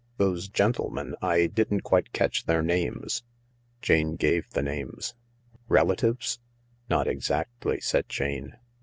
"Those gentlemen ? I didn't quite catch their names." Jane gave the names. " Relatives ?" "Not exactly," said Jane.